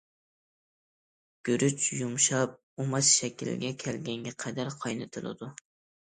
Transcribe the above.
گۈرۈچ يۇمشاپ ئۇماچ شەكلىگە كەلگەنگە قەدەر قاينىتىلىدۇ.